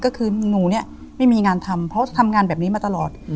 ก็คือหนูเนี่ยไม่มีงานทำเพราะทำงานแบบนี้มาตลอด